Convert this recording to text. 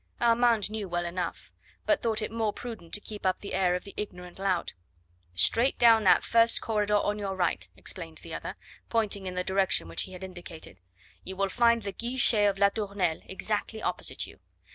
Armand knew well enough, but thought it more prudent to keep up the air of the ignorant lout. "Straight down that first corridor on your right," explained the other, pointing in the direction which he had indicated, "you will find the guichet of La Tournelle exactly opposite to you.